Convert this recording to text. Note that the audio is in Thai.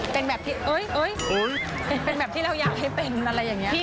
เป็นแบบที่เราอยากให้เป็นอะไรอย่างนี้